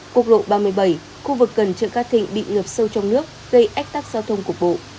cục lộ ba mươi bảy khu vực gần chợ ca thịnh bị ngập sâu trong nước gây ách tắc giao thông cục bộ